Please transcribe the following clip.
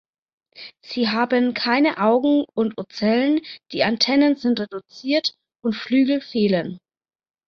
Sie haben keine Augen und Ocellen, die Antennen sind reduziert, und Flügel fehlen.